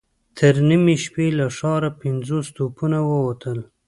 تر نيمې شپې له ښاره پنځوس توپونه ووتل.